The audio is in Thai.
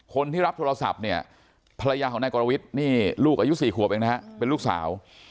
คนที่รับโทรศัพท์เนี่ยภรรยาของนายกรวิทย์นี่ลูกอายุ๔ขวบเองนะฮะเป็นลูกสาว